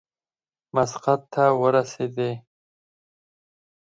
مسقط ته ورسېدی.